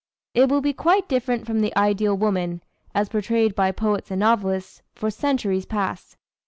It will be quite different from the ideal woman, as portrayed by poets and novelists, for centuries past.